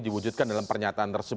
diwujudkan dalam pernyataan tersebut